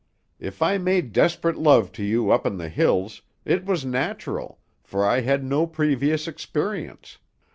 If I made desperate love to you up in the hills, it was natural, for I had no previous experience.